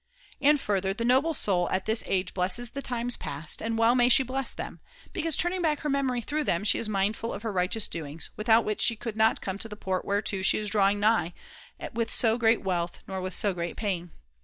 And further, the noble soul at this age blesses it. the times past, and well may she bless them ; because turning back her memory through them she is mindful of her righteous doings, without which she could not come to the port whereto she is drawing nigh, with so great wealth nor with so great gain.